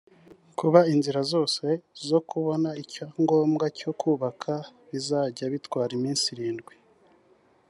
Kuba inzira zose zo kubona icyangombwa cyo kubaka bizajya bitwara iminsi irindwi